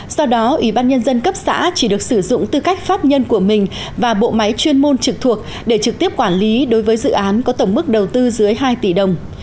do đó ủy ban nhân dân cấp xã chỉ được sử dụng tư cách pháp nhân của mình và bộ máy chuyên môn trực thuộc để trực tiếp quản lý đối với dự án có tổng mức đầu tư dưới hai tỷ đồng